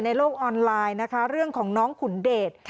โลกออนไลน์นะคะเรื่องของน้องขุนเดช